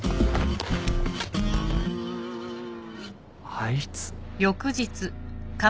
あいつ。